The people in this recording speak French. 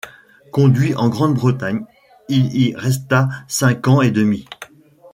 Conduit en Grande-Bretagne, il y resta cinq ans et demi.